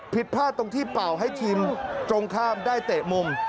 ผิดพลาดตรงที่เป่าให้ทีมตรงข้ามได้เตะมุม